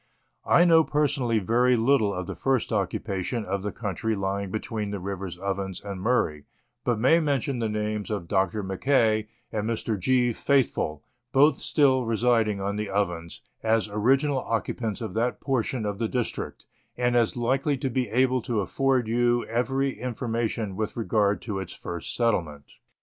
I know personally very little of the first occupation of the country lying between the rivers Ovens and Murray, but may Letters from Victorian Pioneers. 229 mention the names of Dr. Mackay and Mr. G. Faithfull, both still residing on the Ovens, as original occupants of that portion of the district, and as likely to be able to afford you every informa tion with regard to its first settlement.